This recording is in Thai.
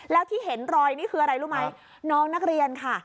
แล้วที่เห็นรอยนี่คืออะไรรู้ไหมน้องนักเรียนค่ะ